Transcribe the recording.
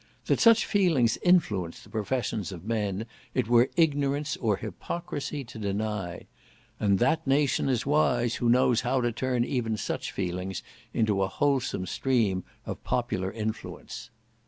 That such feelings influence the professions of men it were ignorance or hypocrisy to deny; and that nation is wise who knows how to turn even such feelings into a wholesome stream of popular influence.